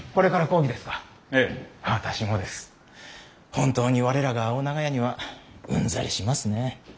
本当に我らが青長屋にはうんざりしますね。